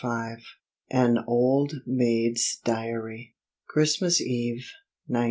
V AN OLD MAID'S DIARY _Christmas Eve, 1973.